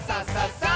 「さあ！